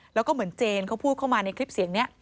แล้วก็เหมือนเจนเขาพูดเข้ามาในคลิปเสียงนี้